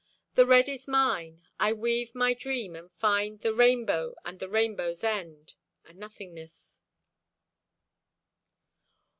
The red is mine. I weave my dream and find The rainbow, and the rainbow's end—a nothingness.